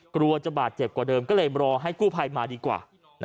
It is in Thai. กลัวจะบาดเจ็บกว่าเดิมก็เลยรอให้กู้ภัยมาดีกว่า